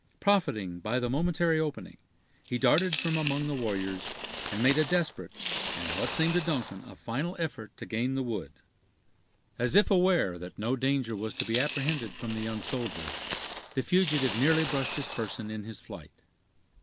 Profiting by the momentary opening, he darted from among the warriors, and made a desperate, and what seemed to Duncan a final effort to gain the wood. As if aware that no danger was to be apprehended from the young soldier, the fugitive nearly brushed his person in his flight.